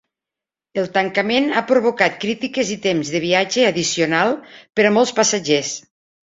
El tancament ha provocat crítiques i temps de viatge addicional per a molts passatgers.